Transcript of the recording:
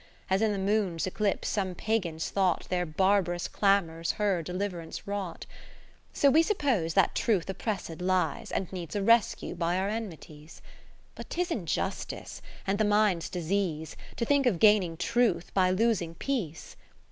As in the Moon's eclipse some Pagans thought Their barbarous clamours her deliver ance wrought : 20 So we suppose that truth oppressed lies. And needs a rescue by our enmities. But 'tis injustice, and the mind's disease. To think of gaining Truth by losing Peace.